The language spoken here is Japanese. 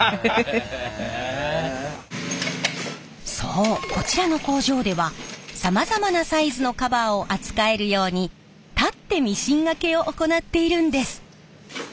そうこちらの工場ではさまざまなサイズのカバーを扱えるように立ってミシン掛けを行っているんです。